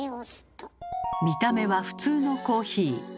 見た目は普通のコーヒー。